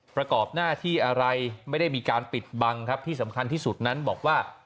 ประกอบหน้าที่อะไรไม่ได้มีการปิดบังครับที่สำคัญที่สุดนั้นบอกว่า